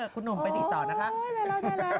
คุณหนุ่มไปดีต่อนะคะ